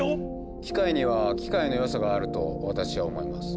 機械には機械の良さがあると私は思います。